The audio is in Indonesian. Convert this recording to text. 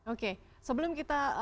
oke sebelum kita